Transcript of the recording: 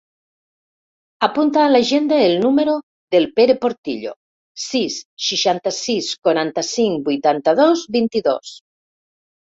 Apunta a l'agenda el número del Pere Portillo: sis, seixanta-sis, quaranta-cinc, vuitanta-dos, vint-i-dos.